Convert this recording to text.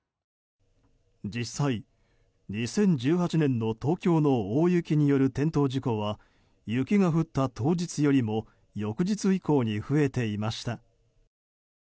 実際、２０１８年の東京の大雪による転倒事故は雪が降った当日よりも翌日以降に増えていました。